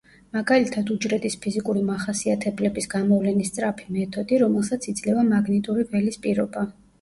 მაგალითად, უჯრედის ფიზიკური მახასიათებლების გამოვლენის სწრაფი მეთოდი, რომელსაც იძლევა მაგნიტური ველის პირობა.